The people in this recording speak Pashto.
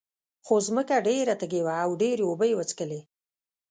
خو ځمکه ډېره تږې وه او ډېرې اوبه یې وڅکلې.